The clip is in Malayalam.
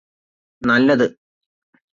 നല്ലത്